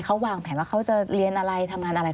เขาวางแผนว่าเขาจะเรียนอะไรทำงานอะไร